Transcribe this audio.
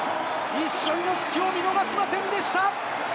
一瞬の隙を見逃しませんでした。